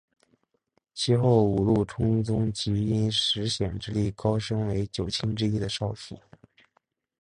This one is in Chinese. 其后五鹿充宗即因石显之力高升为九卿之一的少府。